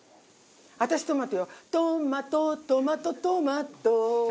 私トマトよ。